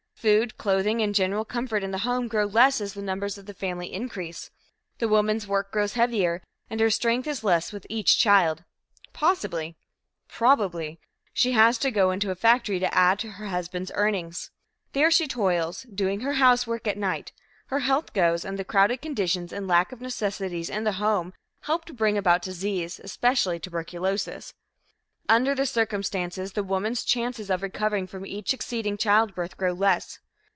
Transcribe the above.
Food, clothing and general comfort in the home grow less as the numbers of the family increase. The woman's work grows heavier, and her strength is less with each child. Possibly probably she has to go into a factory to add to her husband's earnings. There she toils, doing her housework at night. Her health goes, and the crowded conditions and lack of necessities in the home help to bring about disease especially tuberculosis. Under the circumstances, the woman's chances of recovering from each succeeding childbirth grow less.